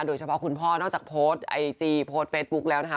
โดยเฉพาะคุณพ่อนอกจากโพสต์ไอจีโพสต์เฟซบุ๊กแล้วนะคะ